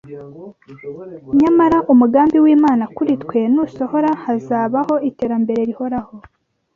nyamara umugambi w’Imana kuri twe nusohora, hazabaho iterambere rihoraho.